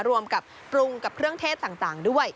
รวมกับปรุงกับเครื่องเทศต่างด้วย